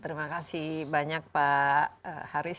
terima kasih pak haris